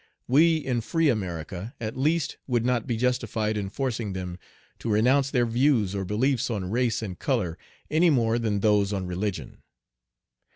We in free America at least would not be justified in forcing them to renounce their views or beliefs on race and color any more than those on religion.